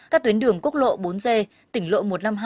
các tuyến đường quốc lộ bốn g tỉnh lộ một trăm năm mươi hai